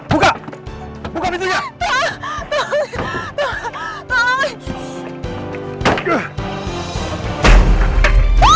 jangan keluar kanyalah buat perempuan lu